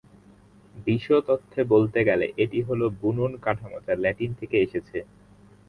বিশদ অর্থে বলতে গেলে এটি হল বুনন কাঠামো যা ল্যাটিন থেকে এসেছে।